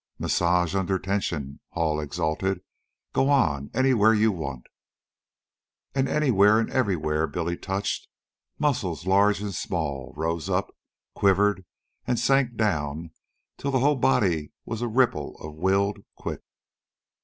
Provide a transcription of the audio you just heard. "Massage under tension!" Hall exulted. "Go on anywhere you want." And anywhere and everywhere Billy touched, muscles large and small rose up, quivered, and sank down, till the whole body was a ripple of willed quick.